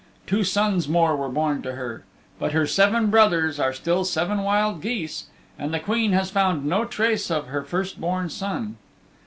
Two sons more were born to her. But her seven brothers are still seven wild geese, and the Queen has found no trace of her first born son.